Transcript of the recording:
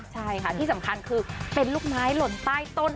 ใช่ค่ะที่สำคัญคือเป็นลูกไม้หล่นใต้ต้น